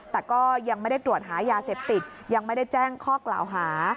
แต่ก็ยังไม่ได้ตรวจหายาเสพติดยังไม่ได้แจ้งข้อกล่าวหา